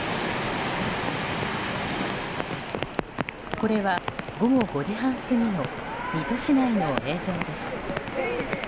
これは午後５時半過ぎの水戸市内の映像です。